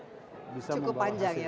bisa membawa ke situ cukup panjang ya